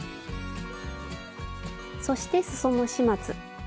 そしてすその始末。